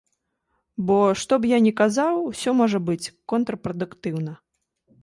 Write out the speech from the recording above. Бо што б я ні сказаў, усё можа быць контрпрадуктыўна.